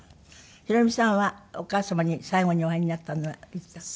宏美さんはお母様に最後にお会いになったのはいつだった？